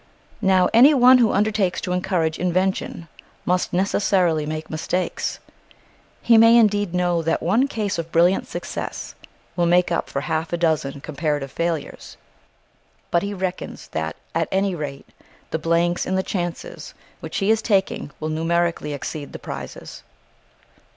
Now any one who undertakes to encourage invention must necessarily make mistakes. He may indeed know that one case of brilliant success will make up for half a dozen comparative failures; but he reckons that at any rate the blanks in the chances which he is taking will numerically exceed the prizes.